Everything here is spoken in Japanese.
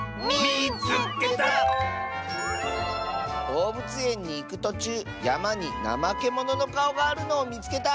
「どうぶつえんにいくとちゅうやまにナマケモノのかおがあるのをみつけた！」。